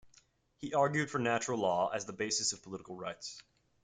He argued for natural law as the basis of political rights.